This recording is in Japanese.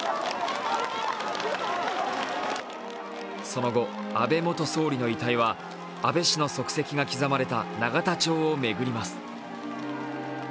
その後、安倍元総理の遺体は安倍氏の足跡が刻まれた永田町を巡ります。